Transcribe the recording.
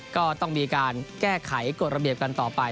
ก็ต้องมีการแก้ไขกฎระเบียบกันต่อไป